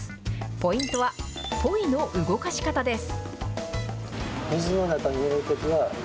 ポイントは、ポイの動かし方です。